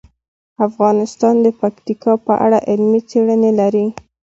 افغانستان د پکتیکا په اړه علمي څېړنې لري.